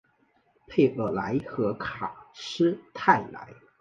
佩尔莱和卡斯泰莱。